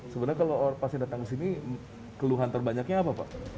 sebenarnya kalau orang orang pasca datang ke sini keluhan terbanyaknya apa pak